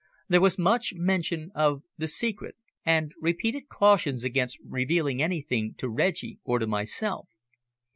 There was much mention of "the secret," and repeated cautions against revealing anything to Reggie or to myself.